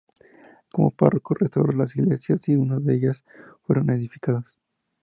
Como párroco restauró las iglesias, y dos de ellas, fueron edificadas.